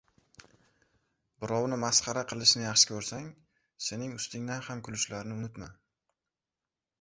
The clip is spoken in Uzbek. • Birovni masxara qilishni yaxshi ko‘rsang, sening ustingdan ham kulishlarini unutma.